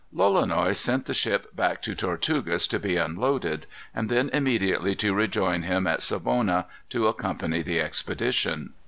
Lolonois sent the ship back to Tortugas to be unloaded, and then immediately to rejoin him at Savona, to accompany the expedition.